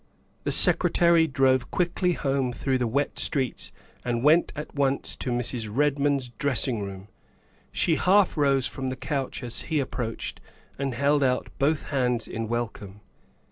'' The Secretary drove quickly home through the wet streets and went at once to Mrs. Redmond's dressing room. She half rose from the couch as he approached and held out both hands in welcome.